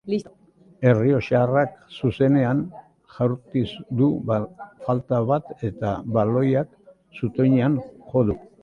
Errioxarrak zuzenean jaurti du falta bat, eta baloiak zutoinean jo du.